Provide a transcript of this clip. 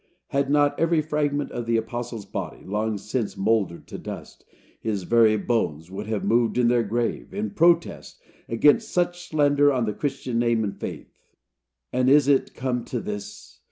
Had not every fragment of the apostle's body long since mouldered to dust, his very bones would have moved in their grave, in protest against such slander on the Christian name and faith. And is it come to this.